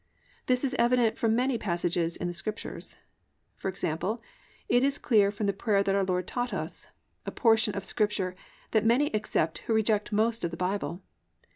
This is evident from many passages in the Scriptures. For example, it is clear from the prayer that our Lord taught us—a portion of Scripture that many accept who reject most of the Bible.